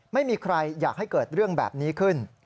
ไม่มีใครอยากให้เกิดเรื่องแบบนี้ขึ้น